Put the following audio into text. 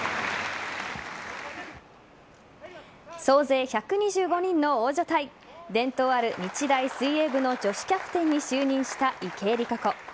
総勢１２５人の大所帯伝統ある日大水泳部の女子キャプテンに就任した池江璃花子。